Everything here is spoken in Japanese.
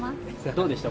どうでした？